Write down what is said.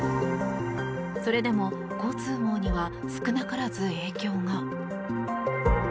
それでも、交通網には少なからず影響が。